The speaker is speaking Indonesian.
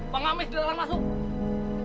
pengamis di dalam masuk